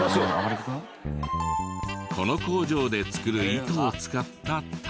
この工場で作る糸を使ったタオルは。